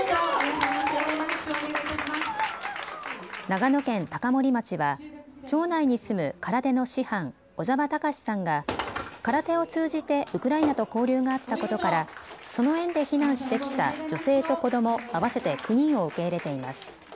長野県高森町は町内に住む空手の師範、小沢隆さんが空手を通じてウクライナと交流があったことからその縁で避難してきた女性と子ども合わせて９人を受け入れています。